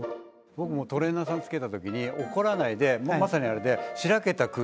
僕もトレーナーさんつけた時に怒らないでまさにあれでしらけた空気